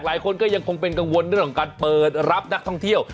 หลายคนก็ยังคงเป็นกังวลเรื่องของการเปิดรับนักท่องเที่ยว